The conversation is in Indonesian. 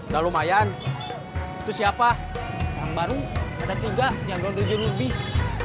dan tiga jangan lupa dukung di channel bis